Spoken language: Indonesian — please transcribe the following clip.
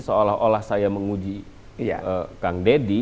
seolah olah saya menguji kang deddy